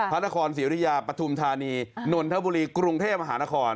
พระนครศรีริยาปฐุมธานีนนทบุรีกรุงเทพมหานคร